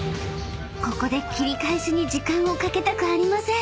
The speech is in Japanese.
［ここで切り返しに時間をかけたくありません］